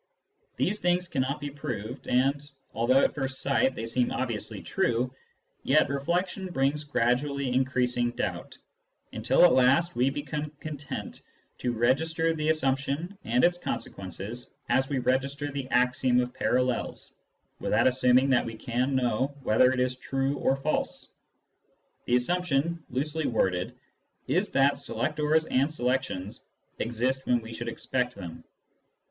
These things cannot be proved ; and although, at first sight, they seem obviously true, yet reflection brings gradually increasing doubt, until at last we become content to register the assumption and its consequences, as we register the axiom of parallels, without assuming that we can know whether it is true or false. The assumption, loosely worded, is that selectors and selections exist when we should expect them.